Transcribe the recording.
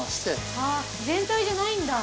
ああ全体じゃないんだ？